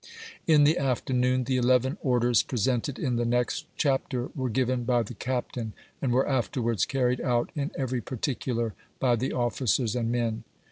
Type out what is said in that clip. In the afternoon, the eleven orders presented in the next chapter were given by the Captain, and were afterwards carried out in every particular by the officers and men.